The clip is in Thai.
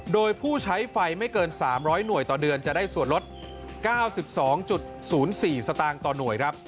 โดยผู้ใช้ไฟไม่เกิน๓๐๐หน่วยต่อเดือนจะได้ส่วนลด๙๒๐๔สตางค์ต่อหน่วยครับ